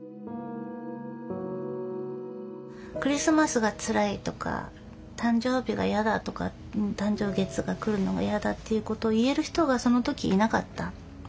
クリスマスがつらいとか誕生日が嫌だとか誕生月が来るのが嫌だっていうことを言える人がその時いなかった。